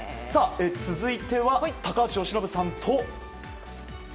続いては、高橋由伸さんと。